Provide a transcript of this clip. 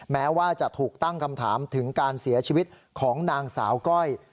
แม้ว่าจะถูกตั้งคำถามถึงการเสียชีวิตของนางสาวก้อย